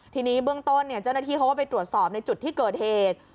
ทีนี้เบื้องต้นเจ้าหน้าที่เขาก็ไปตรวจสอบในจุดที่เกิดเหตุ